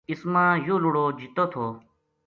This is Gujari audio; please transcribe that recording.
اس ما یوہ لڑو جِتو تھو